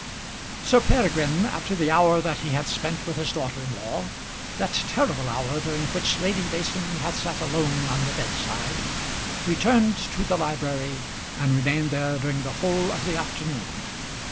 Sir Peregrine after the hour that he had spent with his daughter in law, that terrible hour during which Lady Mason had sat alone on the bed side, returned to the library and remained there during the whole of the afternoon.